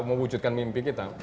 mewujudkan mimpi kita